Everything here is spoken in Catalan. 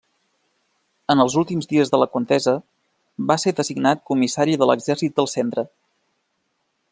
En els últims dies de la contesa va ser designat comissari de l'Exèrcit del Centre.